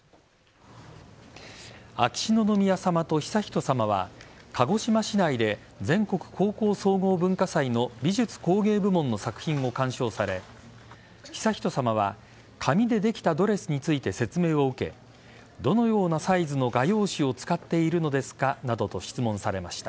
秋篠宮さまと悠仁さまは鹿児島市内で全国高校総合文化祭の美術・工芸部門の作品を鑑賞され悠仁さまは紙でできたドレスについて説明を受けどのようなサイズの画用紙を使っているのですかなどと質問されました。